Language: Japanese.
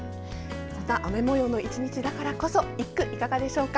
雨模様の１日だからこそ一句いかがでしょうか。